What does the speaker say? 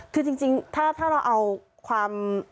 คือจริงถ้าเราเอาความ